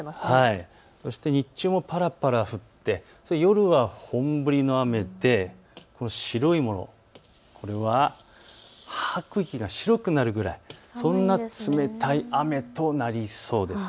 そして日中もぱらぱら降って夜は本降りの雨で白いもの、これは吐く息が白くなるぐらい、そんな冷たい雨となりそうです。